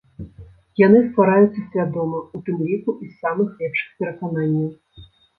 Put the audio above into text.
Яны ствараюцца свядома, у тым ліку, і з самых лепшых перакананняў.